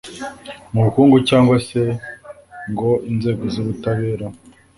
Mu bukungu cyangwa se ngo inzego z’ubutabera